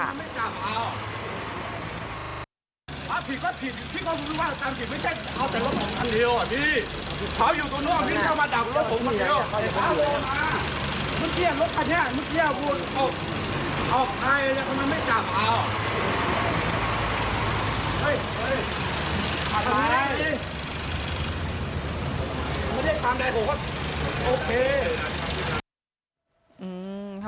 ขาวอยู่ตรงนู้นมิดเธอมาดับรถผมก่อนเถอะ